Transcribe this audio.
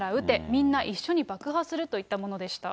みんな一緒に爆破するといったものでした。